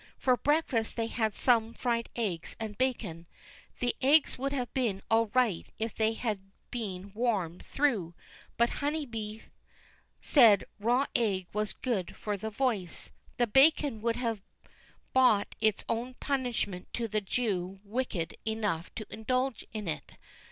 For breakfast they had some fried eggs and bacon. The eggs would have been all right if they had been warmed through; but Honeybee said raw egg was good for the voice. The bacon would have brought its own punishment to the Jew wicked enough to indulge in it.